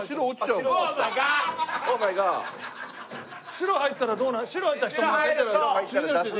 白入ったらどうなる？